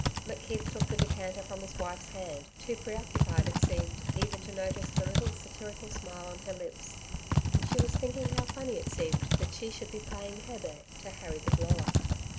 McKeith took the decanter from his wife's hand, too preoccupied, it seemed, even to notice the little satirical smile on her lips. She was thinking how funny it seemed that she should be playing Hebe to Harry the Blower.